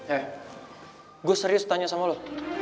eh gue serius tanya sama lo